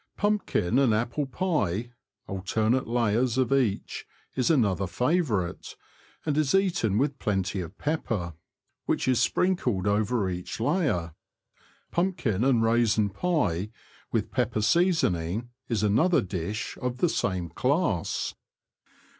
Pumpkin and apple pie (alternate layers of each) is another favourite, and is eaten with plenty of pepper, which is sprinkled over each layer. Pumpkin and raisin pie, with pepper seasoning, is another dish of the same class.